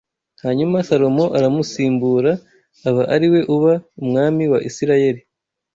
hanyuma Salomo aramusimbura aba ari we uba umwami wa Isirayeli